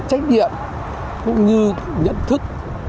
trách nhiệm cũng như nhận thức